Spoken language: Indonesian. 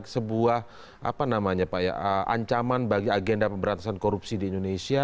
sebuah ancaman bagi agenda pemberantasan korupsi di indonesia